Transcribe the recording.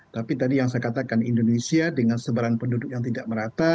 tapi tadi yang saya katakan indonesia dengan sebaran penduduk yang tidak merata